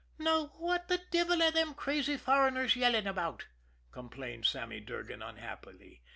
"Now what the devil are them crazy foreigners yelling about!" complained Sammy Durgan unhappily.